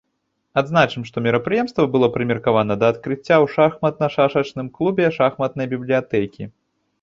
Адзначым, што мерапрыемства было прымеркавана да адкрыцця ў шахматна-шашачным клубе шахматнай бібліятэкі.